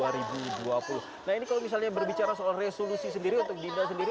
nah ini kalau misalnya berbicara soal resolusi sendiri untuk dimbel sendiri